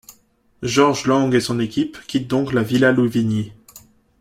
Georges Lang et son équipe quittent donc la Villa Louvigny.